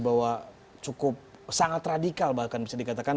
bahwa cukup sangat radikal bahkan bisa dikatakan